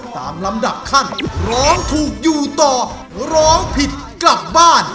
ตามลำดับขั้นร้องถูกอยู่ต่อร้องผิดกลับบ้าน